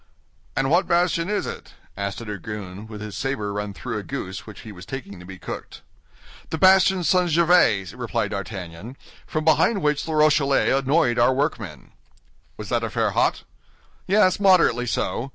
"And what bastion is it?" asked a dragoon, with his saber run through a goose which he was taking to be cooked. "The bastion St. Gervais," replied D'Artagnan, "from behind which the Rochellais annoyed our workmen." "Was that affair hot?" "Yes, moderately so.